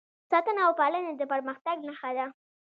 ساتنه او پالنه د پرمختګ نښه ده.